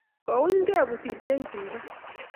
Ko unygei pusit eng tumdo